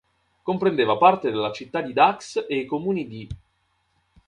Comprendeva parte della città di Dax e i comuni di